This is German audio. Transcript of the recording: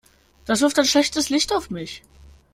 Das wirft ein schlechtes Licht auf mich.